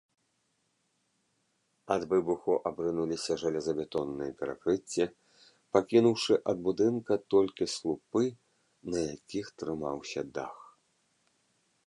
Ад выбуху абрынуліся жалезабетонныя перакрыцці, пакінуўшы ад будынка толькі слупы, на якіх трымаўся дах.